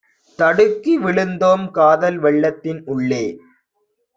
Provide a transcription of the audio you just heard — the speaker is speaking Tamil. தடுக்கிவிழுந் தோம்காதல் வெள்ளத்தின் உள்ளே!